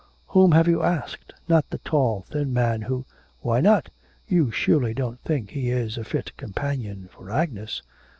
'Whom have you asked? Not the tall thin man who ' 'Why not?' 'You surely don't think he is a fit companion for Agnes?'